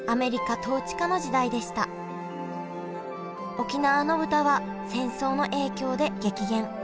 沖縄の豚は戦争の影響で激減。